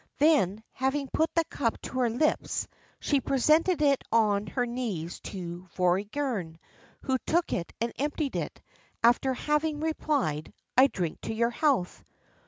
Then, having put the cup to her lips, she presented it on her knees to Vortigern, who took it and emptied it, after having replied: 'I drink to your health.